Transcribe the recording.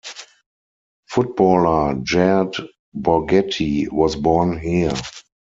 Footballer Jared Borgetti was born here.